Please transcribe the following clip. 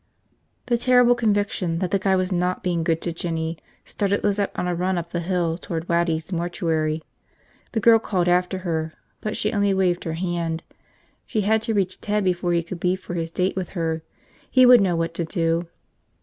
The terrible conviction that the guy was not being good to Jinny started Lizette on a run up the hill toward Waddy's mortuary. The girl called after her, but she only waved her hand. She had to reach Ted before he could leave for his date with her. He would know what to do.